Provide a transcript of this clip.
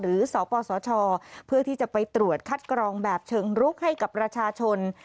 สปสชเพื่อที่จะไปตรวจคัดกรองแบบเชิงรุกให้กับประชาชน